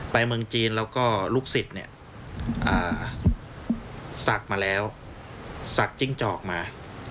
เมืองจีนแล้วก็ลูกศิษย์เนี่ยศักดิ์มาแล้วศักดิ์จิ้งจอกมา